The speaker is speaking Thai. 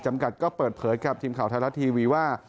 จำกัดก็เปิดเผยกับทีมข่าวไทยลัททีวีว่า